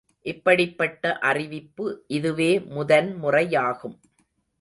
இப்படிப்பட்ட அறிவிப்பு இதுவே முதன் முறையாகும்.